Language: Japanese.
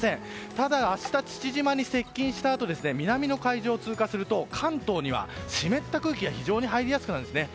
ただ、明日父島に接近したあと南の海上を通過すると関東には湿った空気が非常に入りやすくなるんですね。